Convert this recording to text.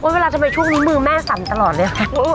ทำไมช่วงนี้มือแม่สั่นตลอดเลย